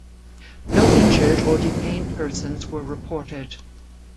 No injured or detained persons were reported.